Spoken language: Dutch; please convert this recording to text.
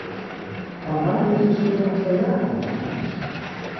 Vanwaar dit verschil van twee jaar, commissaris?